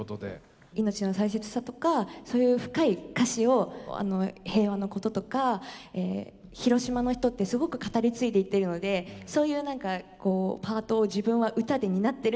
命の大切さとかそういう深い歌詞を平和のこととか広島の人ってすごく語り継いでいっているのでそういう何かこうパートを自分は歌で担ってるっていう気持ちで歌えたらなと思っています。